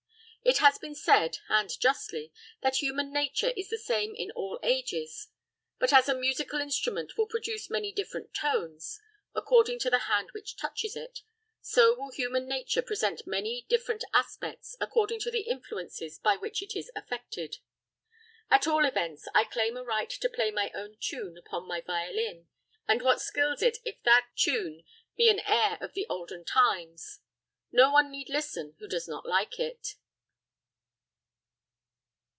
It has been said, and justly, that human nature is the same in all ages; but as a musical instrument will produce many different tones, according to the hand which touches it, so will human nature present many different aspects, according to the influences by which it is affected. At all events, I claim a right to play my own tune upon my violin, and what skills it if that tune be an air of the olden times. No one need listen who does not like it.